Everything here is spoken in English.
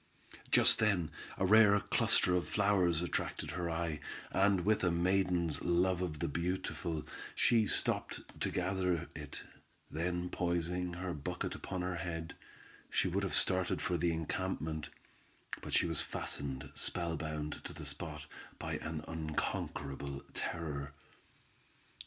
Just then, a rare cluster of flowers attracted her eye, and with a maiden's love of the beautiful, she stopped to gather it, then poising her bucket upon her head, she would have started for the encampment, but she was fastened spell bound to the spot, by an unconquerable terror.